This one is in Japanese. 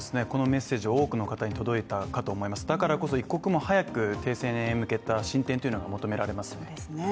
このメッセージを多くの方に届いたと思いますだからこそ一刻も早くの停戦の進展というのが求められます。